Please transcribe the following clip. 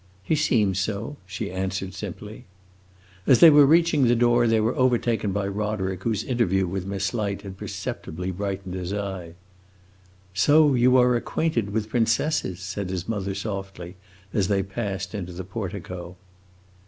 "He seems so!" she answered simply. As they were reaching the door they were overtaken by Roderick, whose interview with Miss Light had perceptibly brightened his eye. "So you are acquainted with princesses!" said his mother softly, as they passed into the portico.